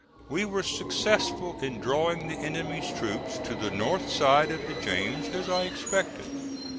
We were successful in drawing the enemy's troops to the north side of the James as I expected.